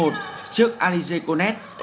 trước alize konet